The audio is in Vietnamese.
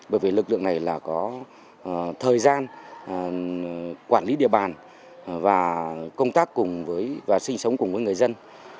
bởi vì lực lượng này có thời gian quản lý địa bàn và công tác cùng với người dân